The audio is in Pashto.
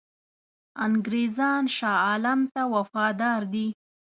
انګرېزان شاه عالم ته وفادار دي.